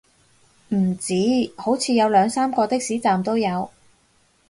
唔止，好似有兩三個的士站都有